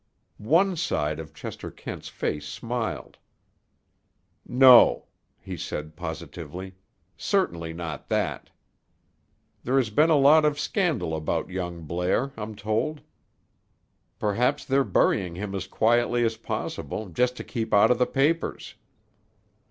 One side of Chester Kent's face smiled. "No," said he positively, "certainly not that." "There has been a lot of scandal about young Blair, I'm told. Perhaps they're burying him as quietly as possible just to keep out of the papers."